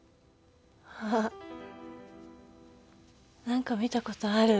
何か見たことある。